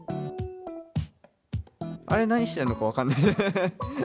あれ何してんのか分かんない。